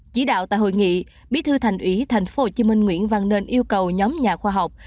chỉ đạo tại hội nghị bí thư thành ủy tp hcm nguyễn văn nên yêu cầu nhóm nhà khoa học